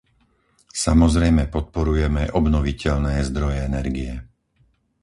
Samozrejme podporujeme obnoviteľné zdroje energie.